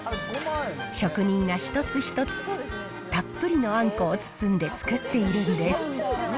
職人が一つ一つたっぷりのあんこを包んで作っているんです。